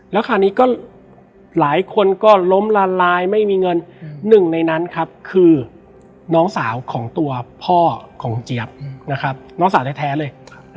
แล้วคราวนี้ก็หลายคนก็ล้มละลายไม่มีเงินหนึ่งในนั้นครับคือน้องสาวของตัวพ่อของเจี๊ยบนะครับน้องสาวแท้เลย